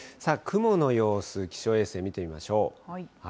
雲の様子、気象衛星見てみましょう。